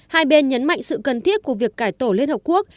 hai bên nhấn mạnh sự cần thiết của việc cải tổ liên hợp quốc